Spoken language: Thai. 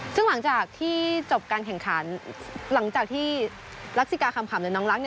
ซึ่งหลังจากที่จบการแข่งขันหลังจากที่รักษิกาคำขำหรือน้องรัก